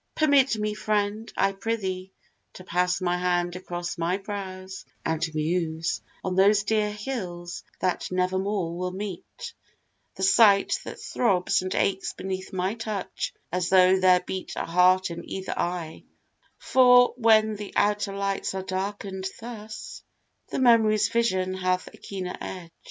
Permit me, friend, I prithee, To pass my hand across my brows, and muse On those dear hills, that nevermore will meet The sight that throbs and aches beneath my touch, As tho' there beat a heart in either eye; For when the outer lights are darken'd thus, The memory's vision hath a keener edge.